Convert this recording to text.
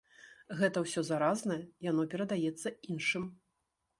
Гэта ўсё заразнае, яно перадаецца іншым.